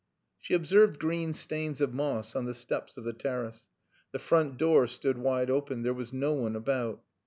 She observed green stains of moss on the steps of the terrace. The front door stood wide open. There was no one about.